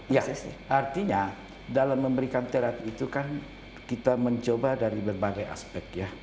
ya artinya dalam memberikan terapi itu kan kita mencoba dari berbagai aspek ya